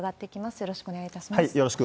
よろしくお願いします。